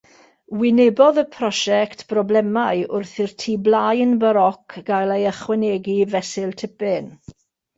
Wynebodd y prosiect broblemau wrth i'r tu blaen Baróc gael ei ychwanegu fesul tipyn.